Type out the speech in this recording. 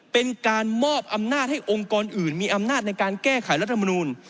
เป็นการมอบอำนาจให้องค์กรอื่นมีอำนาจในการแก้ไขรัฐมนูล